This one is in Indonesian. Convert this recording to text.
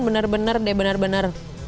benar benar deh benar benar